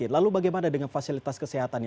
lalu bagaimana dengan fasilitas kesehatannya